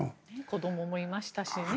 子どももいましたしね。